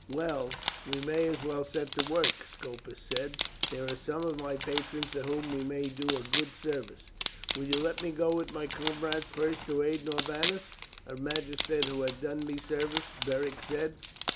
"Well, we may as well set to work," Scopus said. "There are some of my patrons to whom we may do a good service." "Will you let me go with my comrades first to aid Norbanus, a magistrate who has done me service?" Beric said.